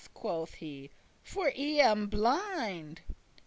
quoth he, "For I am blind."